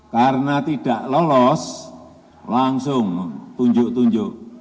karena tidak lolos langsung tunjuk tunjuk